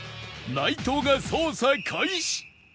内藤が捜査開始！